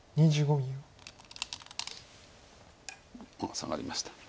サガりました。